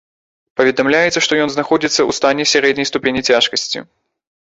Паведамляецца, што ён знаходзіцца ў стане сярэдняй ступені цяжкасці.